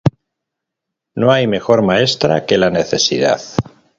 No hay mejor maestra que la necesidad.